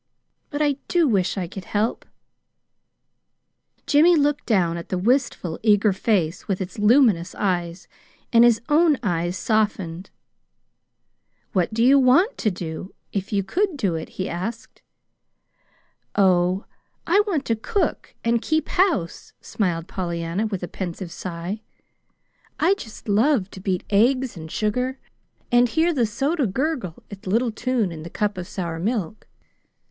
But I do wish I could help!" Jimmy looked down at the wistful, eager face with its luminous eyes, and his own eyes softened. [Illustration: See Frontispiece: "Jimmy looked down at the wistful, eager face"] "What do you WANT to do if you could do it?" he asked. "Oh, I want to cook and keep house," smiled Pollyanna, with a pensive sigh. "I just love to beat eggs and sugar, and hear the soda gurgle its little tune in the cup of sour milk.